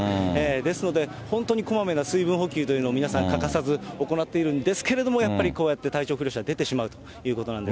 ですので、本当にこまめな水分補給というのを皆さん、欠かさず行っているんですけれども、やっぱりこうやって体調不良者出てしまうということなんです。